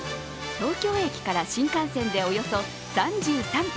東京駅から新幹線でおよそ３３分。